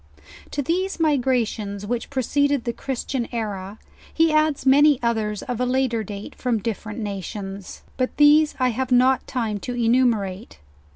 To these migrations which preceded the Christian era, he adds many others of a later date from different na tions, but these I have not time to enumerate.